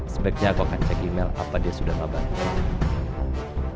sebaiknya aku cek email apa dia sudah ngabarin